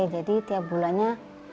jadi tiap bulannya